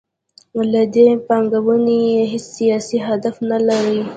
له دې پانګونې یې هیڅ سیاسي هدف نلري.